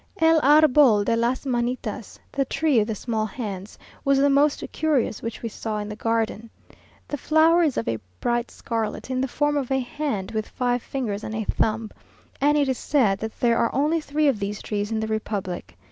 El Arbol de las Manitas (the tree of the small hands) was the most curious which we saw in the garden. The flower is of a bright scarlet, in the form of a hand, with five fingers and a thumb; and it is said that there are only three of these trees in the republic.